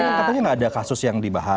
tapi katanya gak ada kasus yang dibahas